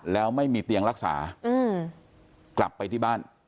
แล้วไม่มีเตียงรักษากลับไปที่บ้าน